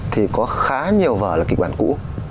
thì có khá nhiều vở là kịch bản cũ